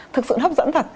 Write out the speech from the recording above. thực sự hấp dẫn thật